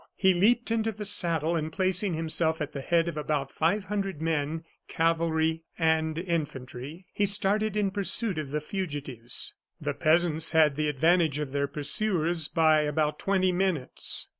He leaped into the saddle, and placing himself at the head of about five hundred men, cavalry and infantry, he started in pursuit of the fugitives. The peasants had the advantage of their pursuers by about twenty minutes.